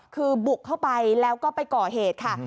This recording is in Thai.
คือบุกเข้าไปแล้วก็ไปก่อเหตุค่ะ